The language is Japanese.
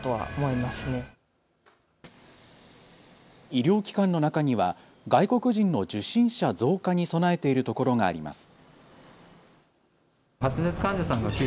医療機関の中には外国人の受診者増加に備えているところがあります。